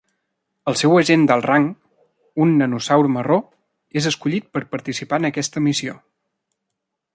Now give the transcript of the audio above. El seu agent d'alt rang, un nanosaur marró, és escollit per participar en aquesta missió.